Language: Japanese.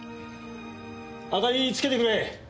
明かりつけてくれ。